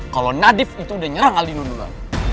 kalau nadif itu udah nyerang aldino dulu